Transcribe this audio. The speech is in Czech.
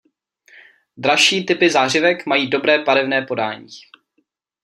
Dražší typy zářivek mají dobré barevné podání.